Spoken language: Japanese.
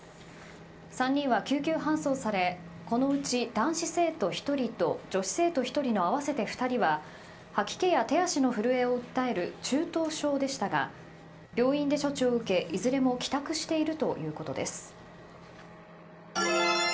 ３人は救急搬送されこのうち、男子生徒１人と女子生徒１人の合わせて２人は吐き気や手足の震えを訴える中等症でしたが病院で処置を受け、いずれも帰宅しているということです。